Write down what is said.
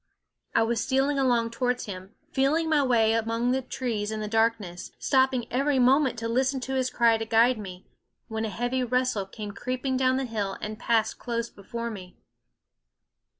I was stealing along towards him, feeling my way among the trees in the darkness, stopping every moment to listen to his cry Cry in ihe SCffOOL OF to guide me, when a heavy rustle came creep ing down the hill and passed close before me.